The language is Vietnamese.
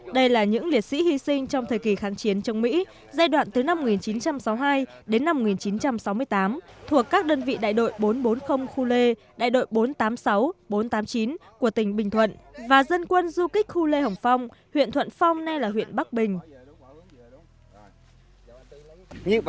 đây là những liệt sĩ hy sinh trong thời kỳ kháng chiến chống mỹ giai đoạn từ năm một nghìn chín trăm sáu mươi hai đến năm một nghìn chín trăm sáu mươi tám thuộc các đơn vị đại đội bốn trăm bốn mươi khu lê đại đội bốn trăm tám mươi sáu bốn trăm tám mươi chín của tỉnh bình thuận và dân quân du kích khu lê hồng phong huyện thuận phong nay là huyện bắc bình